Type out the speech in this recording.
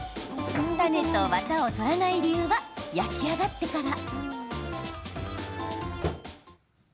種と、わたを取らない理由は焼き上がってから。